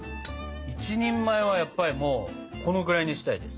１人前はやっぱりもうこのくらいにしたいです。